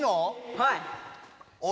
はい！